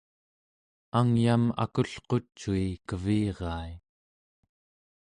angyam akulqucui kevirai